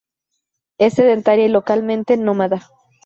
Es sedentaria y localmente nómada.